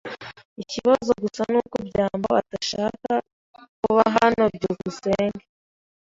Ikibazo gusa nuko byambo atashakaga kuba hano. byukusenge